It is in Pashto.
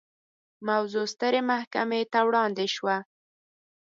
موضوع سترې محکمې ته وړاندې شوه.